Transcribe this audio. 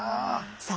さあ